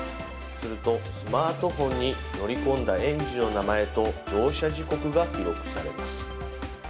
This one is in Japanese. するとスマートフォンに乗り込んだ園児の名前と乗車時刻が記録されます。